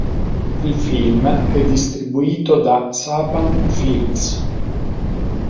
Il film è distribuito da Saban Films.